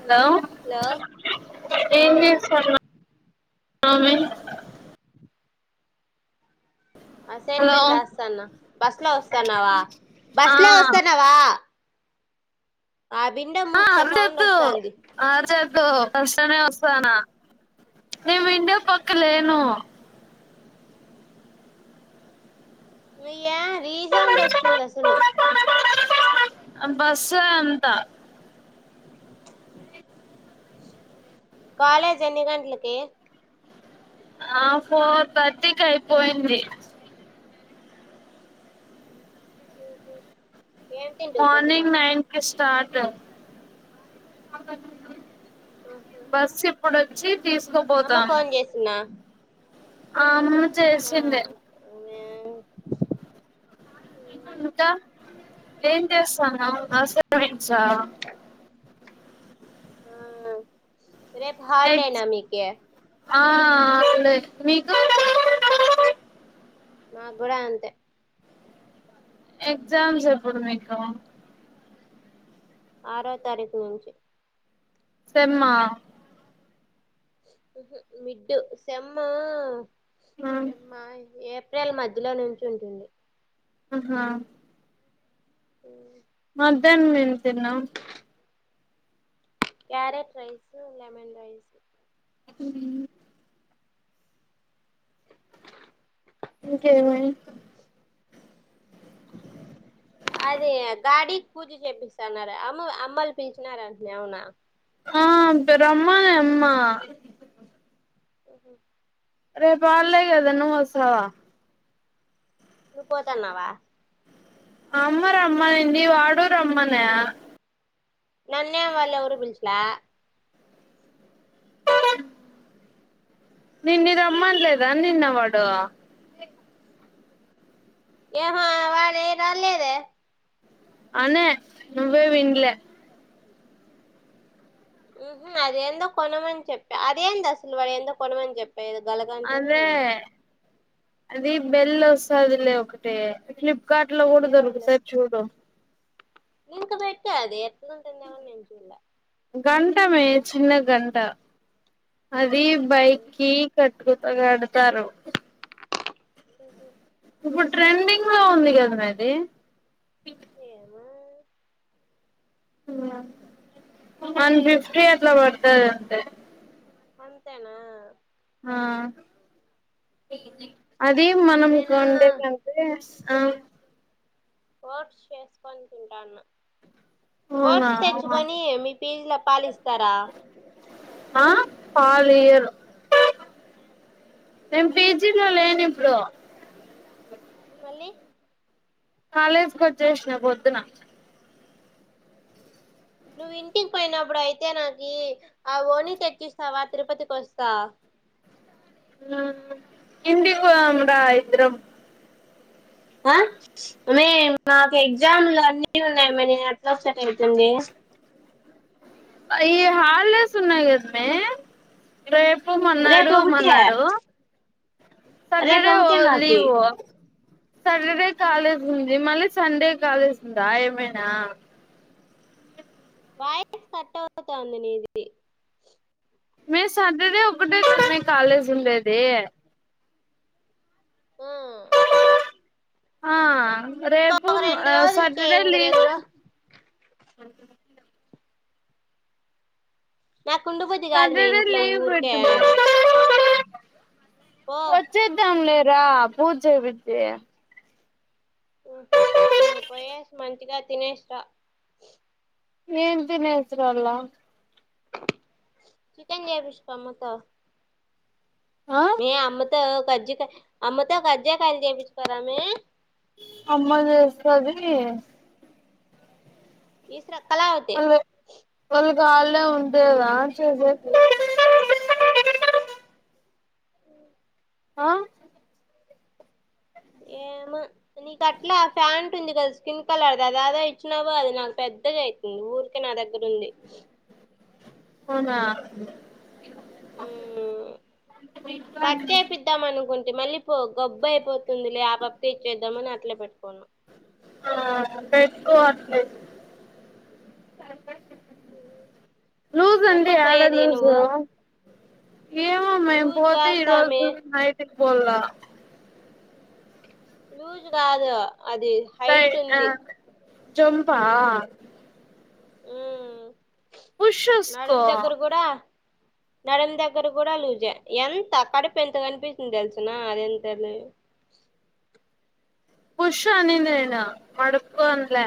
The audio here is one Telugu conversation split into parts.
హలో హలో ఆ ఏంజేస్తన్నావ్ ఆ మే హలో అసైన్మెంట్ రాస్తనా బస్ లో వస్తన్నావా ఆ బస్ లో వస్తన్నావా ఆ మూసుకో సౌండ్ అర్చొద్దు వస్తాంది అర్చొద్దు బుస్లోనే వస్తానా నే విండో పక్క లేను మీయ రీసౌండ్ వస్తుంది అసలు అన్ బస్ ఏ అంత కాాలేజ్ ఎన్ని గంట్లకి ఆ పోర్ థర్టీ కి అయిపోయింది ఏం తింటివి పొద్దున మార్నింగ్ నైన్ కి స్టార్ట్ బస్ ఇప్పుడొచ్చి అమ్మ ఫోన్ చేసిన్న ఆమ్ చేసిండే ఇంకా ఏం చేస్తాన్నావ్ అసైన్మెంట్స్ ఆ ఉమ్ రేపు ఎగ్స్ హల్డేనా మీకి ఆ లే మీకు మాక్ గూడ అంతే ఎక్జామ్స్ ఎప్పుడు మీకు ఆరో తారీఖు సెమ్మా ఉహు మిడ్డు సెమ్మా ఆ సెంమ్మా ఏప్ ప్రిల్ మధ్యలో నుంచి ఉంటుంది ఆహా ఓ మధ్యాహ్నం ఏం తిన్నావ్ క్యారెట్ రైసు లెమన్ రైసు ఉమ్ ఇంకేమీ అదే గాడికి పూజ చేపిస్తన్నారె అమ్మ అమ్మవోలు పిలిచినారంటనే అవునా ఆ అంతే రమ్మనే అయ్ మ్మా ఓహో రేప్ ఆల్డే కదా నువ్ వస్స వా నువ్ పోతాన్నావా అమ్మ రమ్మనింది వాడూ రమ్మనా నన్నే వాళ్ ఎవరూ పిల్చలా నిన్ని రమ్మన్లేదా నిన్న వాడు ఏహా వాలే రాళ్ళేదే అనే నువ్వే విన్లే ఉంహు అదేందో కొనమని చెప్ప అదేంది అసలు వాడు ఏందో కొనమని చెప్ పేద్ గలగా అంటేనే అదే అది బెల్ వస్తాదిలే ఒకటి ఫ్లిప్కార్ట్ లో కూడా దొరుకుతాది చూడు నిన్నుకు పెట్ట అది గంటమే చిన్న గంట అది ఆ బైక్కి క కు కడతారు ఓహ ఇప్పుడు ట్రెండింగ్ లో ఉంది కదామే ఆది ఏమో ఆ వన్ ఫిఫ్టీ అట్లా పడుతాది అంతే అంతేనా ఆ అది మనం నేనా కొండతి ఆ ఓట్స్ చేసుకొని తింటాన అవునా ఓట్స్ తెచ్చుకొని మీ పీజీ లో పాలిస్తారా ఆ పాలు ఇయ్యారు నేను పీజీ లో లేని ఇప్పుడు లి కాలేజీకి వచ్చేసిన పొద్దున నువ్వు ఇంటికి పోయినప్పుడు అయితే నాకి ఆ ఓని తెచ్చిస్తావా తిరుపతికి వస్తా హా ఇంటి పోదాం రా ఇద్దరం ఆ మే మాకు ఎగ్జామ్లు అన్నీ ఉన్నాయి మే నీ ఎట్ల వచెకి ఐతుంది అయ్యో హాలిడేస్ ఉన్నాయి కద మే రేప్ ప్ రేపు మన్నాడు ఒకటే మన్నాడు రేపు సటర్డే ఒకటే మాకి లీవ్ సాటర్డే కాలేజ్ ఉంది మళ్ళీ సండే కాలేజ్ ఉందా ఏమైనా వయస్ కట్టవుతుతాంది నీది మే సాటర్డేఒకటే కదా మే కాలేజ్ ఉండేది ఆ ఆ రేపు ఇంకొక రెండు ఆ రోజులకే సాటర్డే ఇంక లీవ్ రెండు రో [unintelligible] నాకు ఉండబుద్ది కాదు మే సాటర్డే ఇంట్లో లీవ్ ఊరికే పో వచ్చద్దాంలేరా పూజ చెప్పిచి ఉమ్ హు నువ్వు పోయేసి మంచిగా తినేసి రా ఏం తినేసి రావాల్నా చికెన్ చేపిష్కో అమ్మతో ఆ మే అమ్మతో కజికాయి అమ్మతో కజ్జకేకాయలు చెపిచ్చక రా మే అమ్మ చేస్తది ఇసరా కలఅవుతే వాళ్ళు [inaudible] అ ఆ ఏమో నీకు అట్లే ఆ ఫ్యాంట్ ఉంది కదా స్కిన్ కలర్ ఆదాదో ఇచినవో అది నాకు పెట్ పెద్దగా అయితుంది ఊరికే నా దగ్గర ఉండి అవునా ఉమ్ కట్ చెప్పిదాం అనుకుంట్ మళ్ళీ పో గొబ్ అయిపోతుంది లే ఆ పాపకే ఇచ్చేద్దామ్ అని అట్లే పెట్టుకోన్నా ఆ పెట్టుకో అట్లే ఉమ్ లూస్ అంటే యాడ లూస్ ఏమో మే లూజ్ పోతే కాదు సామి ఈరోజు నైట్కి పోలా లూజ్ కాదు అది హైట్ ఉంది జోంపా ఉమ్ పుషేస్కో నడుము దగ్గర కూడా నడుము దగ్గర కూడా లూజే ఎంత కడుపు ఎంత కనిపిస్తుందో తెలుసున అది ఎంత పుష్ అనే నేను పడుకొనులే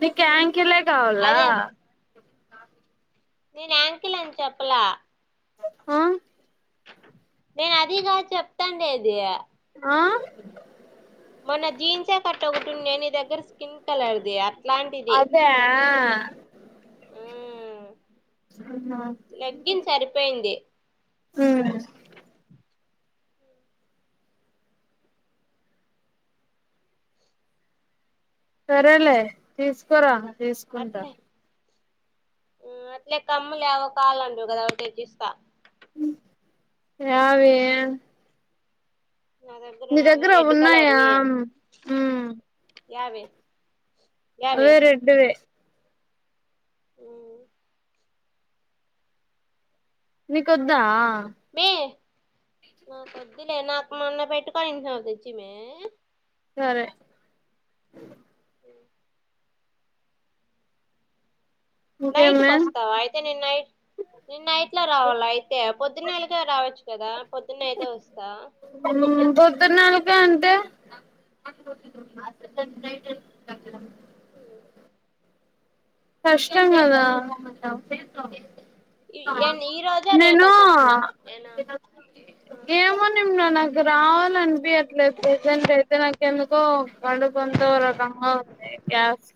నీకు యాంకీలే కావాల అదే నేను యాంకిల్ అని చెప్పలా ఆ నేను అదిగాదు చెప్తాండేది ఆ మొన్న జీన్స్ కట్ ఒకటుంది నీ దగ్గర స్కిన్ కలర్ది అట్లాంటిది అదా మ్ లెగ్గిన్ సరిపోయింది ఉమ్ సరేలే తీసుకోరా తీసుకుంటా ఉ అట్లే కమ్మలేవో కావాలంటివి కదా అవి తెచ్చిస్తా రావే నా నీ నావే దగ్గర రెడ్ ఉన్నాయా ఉమ్ యాభై అవే రెడ్వె ఆ మీకొద్దా ఇదిలే నాకు మొన్న పెట్టుకొనింటున్నా తెచ్చిమే సరే నైట్కి ఇంకేమే వస్తావా అయితే నేను నైట్ నేను నైట్ లో రావాల అయితే పొద్దున్నలక రావచ్చు కదా పొద్దున్నే అయితే వస్తా [unintelligible] [inaudible] కష్టం కదా ఈ ఏం- ఈ రోజా రేపా నేనూ చెప్పు నేను ఆ, ఏమో నిర్మలా నాకు రావాలనిపియ్యట్లే ప్రెసెంట్ అయితే నాకేం కడుపు అంతా ఒక రకంగా ఉంది గ్యాస్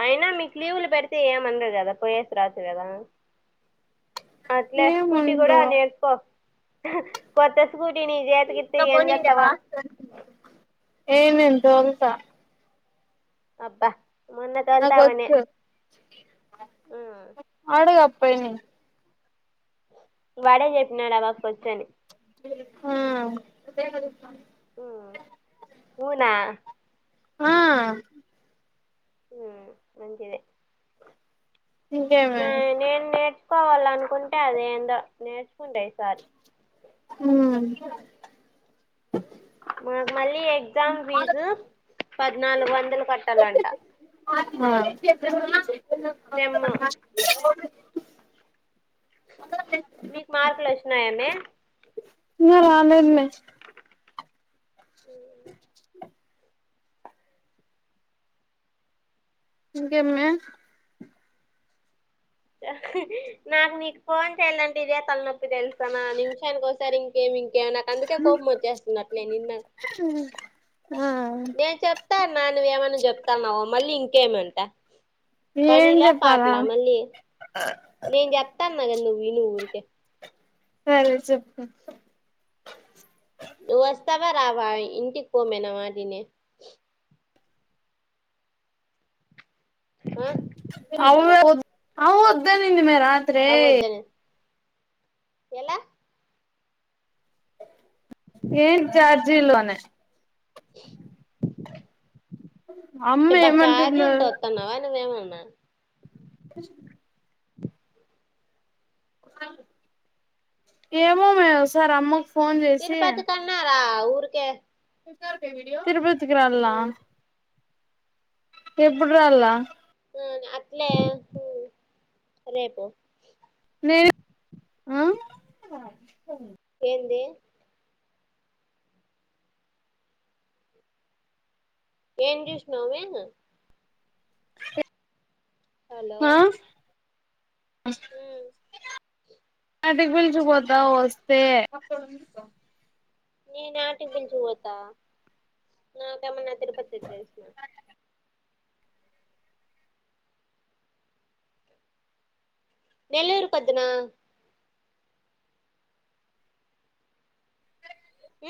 అయినా మీకు లీవులు పెడితే ఏం అన్నరు కదా పోయేసి రావొచ్చు కదా అట్లే స్కూటీ కూడా ఏముందో నేర్చుకో కొత్త స్కూటీ నీ చేతికి ఇత్తే ఏం చెత్తవో ఏ నేను తొలత అబ్బా మొన్న తోలుతావనే నాకొచ్చు ఉమ్. ఆడుగా అప్పయిని వాడే చెప్పినాడు మాకు కూర్చొని [inaudible] ఉమ్ వునా ఆ ఉమ్ మంచిది ఇంకేమే కావాలనుకుంటే అదే ఏందో నేర్చుకుంటా ఈసారి [inaudible] మాకు మళ్ళీ ఎగ్జామ్ ఫీజు పద్నాలుగు వందలు కట్టాలంటా సెమ్ [inaudible] మీకు మార్కులు వచ్చినాయమే ఇంకా రాలేదు మే ఇంకేమే అహ్ నాకు నీకు ఫోన్ చెయలంటే ఇదే తల్నొప్పి తెలుసా నా నిమ్షానికోసారి ఇంకేమి ఇగ నాకందుకే కోపం వచ్చేస్తుంది అట్నే నిన్న ఆ నేను చెప్తాన్నా నువ్వు ఏమన్నజెప్తాన్నావు మళ్ళీ ఇంకేమంట ఏం పనిలే చెప్పాలా పాటలా మళ్ళీ నేన్ జెప్తా న్న గద నువ్వేళ్ళు ఊరికే సరే చెప్పు నువ్వస్తవా రావా ఇంటికి పోమ్మే నా మాటిని ఆ అవూ అవ్వొద్దనింది మే రాత్రే అవొద్దని ఎలా ఏం చార్జీలోనే అమ్మ చెబ్బ ఏమంటుందో చార్జీల్తోత్తన్నావా నువ్వేమన్నా కృష్ ఏమో మే ఒసారమ్మకు ఫోన్ జేసి ఆ ఊరుకే తిరుపతికి రోల్నా ఎప్పుడ్ రాల్లా అట్లే రేపో అ ఎందీ ఏం జేసినవే హలో అస్ అటికి పిల్చుకుపోతావ్ వస్తే నేనాటికి పిల్చుకుపోతా నాకెమన్న [unintelligible] నెల్లూరుకొచ్చినా ఊ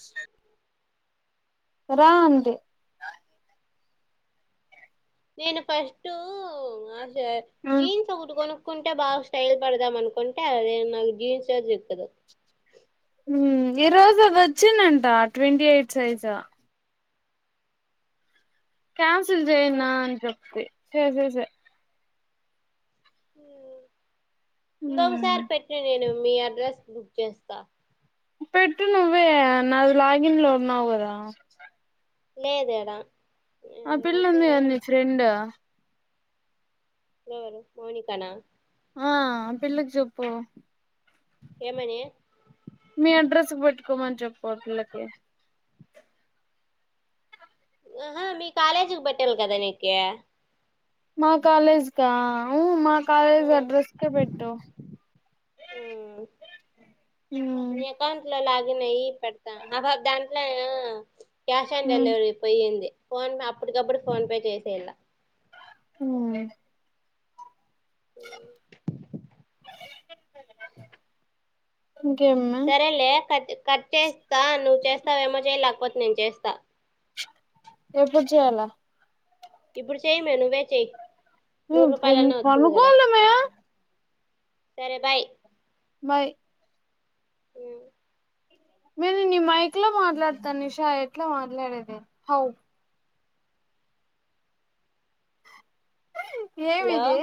[inaudible] రా అంది నేను ఫస్టూ ఆజే జీన్స్ ఒకటి కొను క్కుంటే బాగా స్టైల్ పడదాంనుకుంటే అదేం నాకు జీన్సే దేత్తలే మ్మ్ ఈ రోజు అదొచ్చిందంట ట్వంటీ ఎయిట్ సైజా క్యాన్సల్ జెయన్నా అని చెప్పి చేసే సే హ్మ్ ఇంకొకసారి పెట్టేది మీ అడ్రెస్ బుక్ చేస్తా పెట్టు నువ్వే నా లాగిన్ లో ఉన్నావుగదా లేదేడా ఆ అయితే పిల్లుందిగా నీ ఫ్రెండ్ ఎవరు మౌనికనా ఆ ఆ పిల్లకి చెప్పూ ఏమనీ మీ అడ్రస్ కు పెట్టుకోమని చెప్పు ఆ పిల్ల కి ఆహా మీ కాలేజకి పెట్టిల్లి కదా నీకీ మా కాలేజ్ కా అవు మా కాలేజ్ అడ్రస్ కె పెట్టామ్ ఊ నయీ పెడతా అబా దాంట్లో ఆ క్యాష్ ఆన్ డెలివరీ పొయింది ఫోన్ పే అప్పటికప్పుడు ఫోన్పే చేసేయలా ఉన్ లె [unintelligible] సరేలే కట్ కట్ చేస్తా నువ్వు చేస్తావేమో చేయ్ లేకపోతే నేను చేస్తా ఎప్పుడు చేయాల ఇప్పుడు చెయ్ మే నువ్వే చెయ్ నూరు రూపాయలన్నా వత్తుంది గదా పనుకోవాలి మే సరే బాయ్ బాయ్ నేను నీ మైక్ లో మాట్లాడతాను నిషా ఎట్లా మాట్లాడేది హౌ హలో ఏమీది